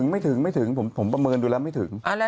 ไม่ถึงผมประเมินดูแล้วไม่ถึง